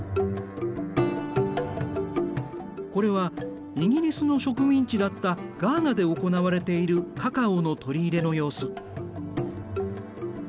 これはイギリスの植民地だったガーナで行われているカカオの取り入れの様子。